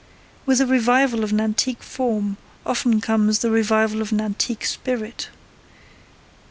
With the revival of an antique form, often comes the revival of an antique spirit.